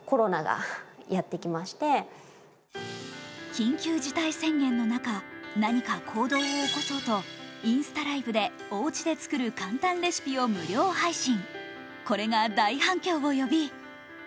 緊急事態宣言の中、何か行動を起こそうとインスタライブでおうちで作る簡単レシピを無料配信。